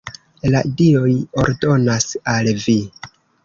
La dioj ordonas al vi!